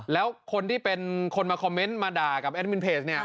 แล้วคนที่เป็นคนมาคอมเมนต์มาด่ากับแอดมินเพจเนี่ย